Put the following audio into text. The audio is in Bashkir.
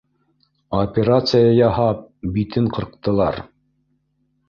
Операция яһап, битен ҡырҡтылар.